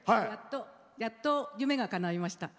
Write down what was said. やっと夢がかないました。